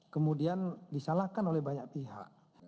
kemudian disalahkan oleh banyak pihak